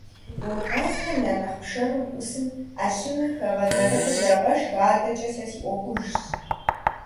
Уи къазхэм я нэхъ пшэрым Ӏусым Ӏэлъыныр хэгъэзэрыхьи, егъэшх, адэкӀэ сэ си Ӏуэхужщ.